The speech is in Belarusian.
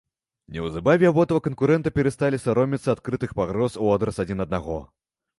Неўзабаве абодва канкурэнта перасталі саромецца адкрытых пагроз у адрас адзін аднаго.